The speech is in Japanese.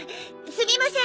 すみません。